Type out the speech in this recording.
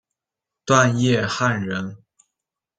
段业汉人。